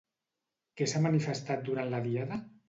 Què s'ha manifestat durant la diada?